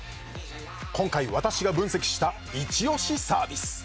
今回私が分析したイチ押しサービス。